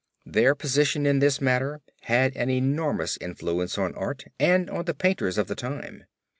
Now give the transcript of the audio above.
Their position in this matter had an enormous influence on art and on the painters of the time.